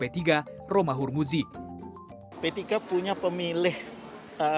yang terkenal dengan pemilihan yang terkenal dengan pemilihan yang terkenal dengan pemilihan yang terkenal dengan pemilihan yang terkenal